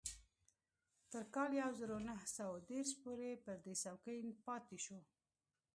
تر کال يو زر و نهه سوه دېرش پورې پر دې څوکۍ پاتې شو.